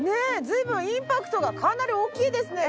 随分インパクトがかなり大きいですね。